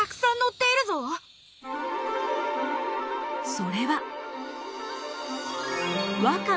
それは。